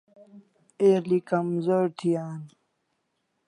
El'i kamzor thi an